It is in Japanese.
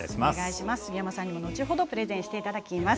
杉山さんにも後ほどご紹介していただきます。